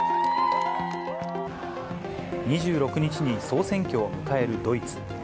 ２６日に総選挙を迎えるドイツ。